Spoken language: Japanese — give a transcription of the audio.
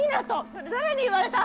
それ誰に言われた！？」